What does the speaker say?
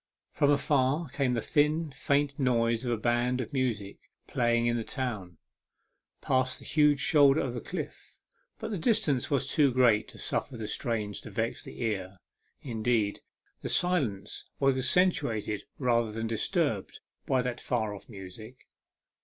From afar came the thin, faint notes of a band of music playing in the town, past the huge shoulder of cliff, but the distance was too great to suffer the strains to vex the ear; indeed, the silence was accen tuated rather than disturbed by that far off music.